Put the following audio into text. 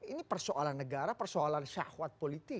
ini persoalan negara persoalan syahwat politik